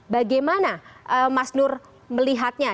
bagaimana mas nur melihatnya